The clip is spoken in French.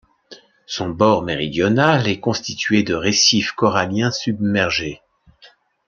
Son bord méridional est constitué de récifs coralliens submergés.